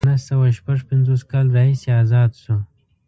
له نهه سوه شپږ پنځوس کال راهیسې ازاد شو.